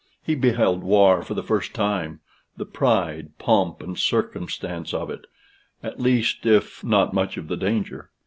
He beheld war for the first time the pride, pomp, and circumstance of it, at least, if not much of the danger.